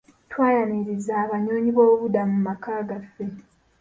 Twayaniriza abanyyonyiboobubudamu mu maka gaffe.